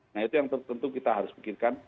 nah itu yang tentu kita harus pikirkan